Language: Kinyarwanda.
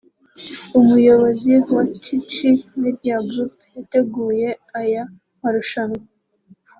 Umuyobozi wa Chichi media Group yateguye aya marushanwa